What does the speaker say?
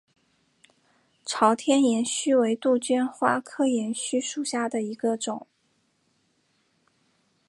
朝天岩须为杜鹃花科岩须属下的一个种。